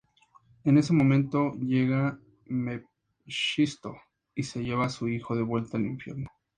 En ese momento llega Mephisto y se lleva a su hijo devuelta al Infierno.